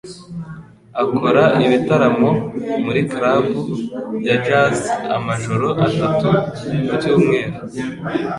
akora ibitaramo muri club ya jazz amajoro atatu mu cyumweru.